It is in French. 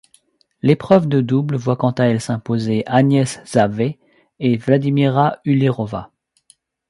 L'épreuve de double voit quant à elle s'imposer Ágnes Szávay et Vladimíra Uhlířová.